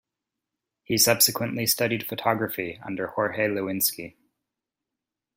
He subsequently studied photography under Jorge Lewinski.